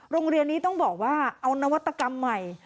โรงเรียนนี้ต้องบอกว่าเอานวัตกรรมใหม่